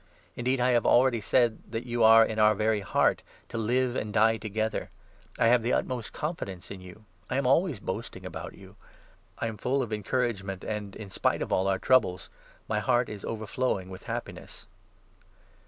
Indeed, I have already said that you are in our very heart, to live and die together. I 4 have the utmost confidence in you ; I am always boasting about you. I am full of encouragement and, in spite of all our troubles, my heart is overflowing with happiness.